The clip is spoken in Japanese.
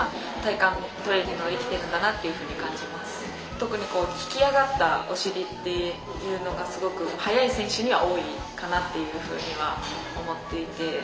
特に引き上がったお尻っていうのがすごく速い選手には多いかなっていうふうには思っていて。